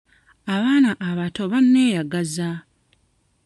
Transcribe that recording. Abaana abato banneeyagaza.